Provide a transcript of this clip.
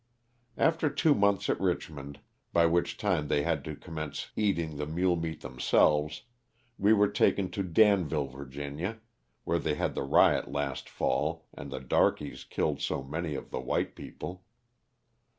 After two months at Richmond, by which time they had to commence eating the mule meat themselves, we were taken to Danville, Va., (where they had the riot last fall and the darkies killed so many of the white people).